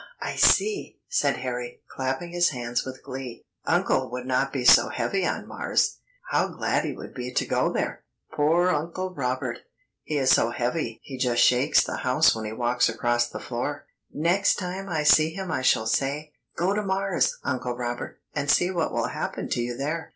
I see," said Harry, clapping his hands with glee. "Uncle would not be so heavy on Mars. How glad he would be to go there! Poor Uncle Robert! He is so heavy he just shakes the house when he walks across the floor. Next time I see him I shall say: 'Go to Mars, Uncle Robert, and see what will happen to you there.'